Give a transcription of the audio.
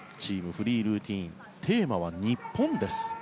フリールーティンテーマは日本です。